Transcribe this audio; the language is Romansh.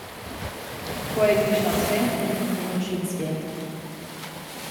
Quei ch’ei stau suenter enconusch’ins gie.